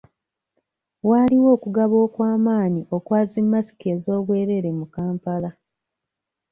Waaliwo okugaba okw'amaanyi okwa zi masiki ez'obwereere mu kampala.